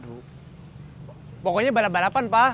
tok dasar azrapes ini pak